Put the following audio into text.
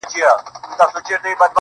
o او ستا د ښكلي شاعرۍ په خاطر.